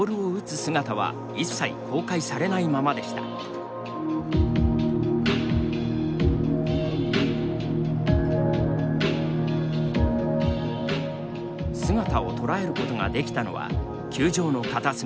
姿を捉えることができたのは球場の片隅。